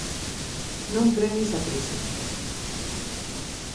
Non premies a crise.